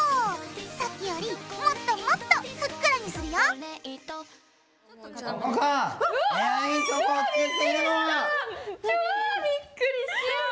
さっきよりもっともっとふっくらにするよわっ！わびっくりした！